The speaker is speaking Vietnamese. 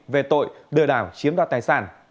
về tội lừa đảo chiếm đoạt tài sản